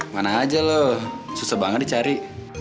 mana aja loh susah banget dicari